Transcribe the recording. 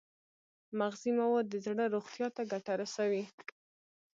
مغذي مواد د زړه روغتیا ته ګټه رسوي.